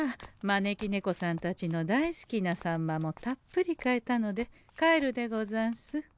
招き猫さんたちの大好きなサンマもたっぷり買えたので帰るでござんす。